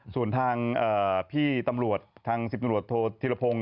ส่วนทางพี่ตำรวจทาง๑๐ตำรวจโทษธิรพงศ์